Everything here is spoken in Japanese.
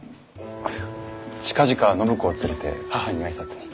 近々暢子を連れて母に挨拶に。